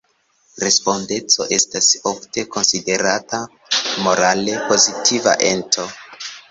Respondeco estas ofte konsiderata morale pozitiva ento.